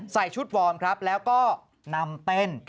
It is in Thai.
ใส่ชุดวอร์มครับแล้วก็นำเต้น